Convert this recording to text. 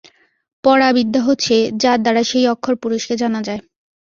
পরা বিদ্যা হচ্ছে, যার দ্বারা সেই অক্ষর পুরুষকে জানা যায়।